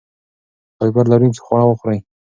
فایبر لرونکي خواړه وخورئ.